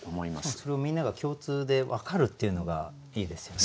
それをみんなが共通で分かるっていうのがいいですよね。